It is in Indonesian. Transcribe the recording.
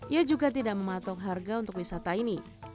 ia juga tidak mematok harga untuk wisata ini